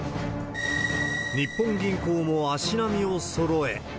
日本銀行も足並みをそろえ。